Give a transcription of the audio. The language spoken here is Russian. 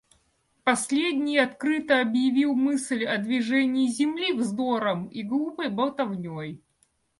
Последний открыто объявил мысль о движении Земли вздором и глупой болтовней.